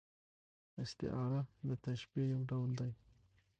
استعاره د تشبیه یو ډول دئ.